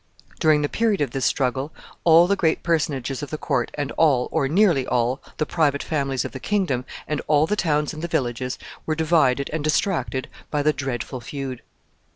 During the period of this struggle, all the great personages of the court, and all, or nearly all, the private families of the kingdom, and all the towns and the villages, were divided and distracted by the dreadful feud.